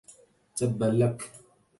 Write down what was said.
تبّا لك.